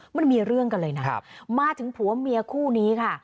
มันมีเรื่องกันเลยนะมาถึงผัวเมียคู่นี้ค่ะ